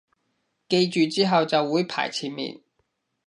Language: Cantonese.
記住之後就會排前面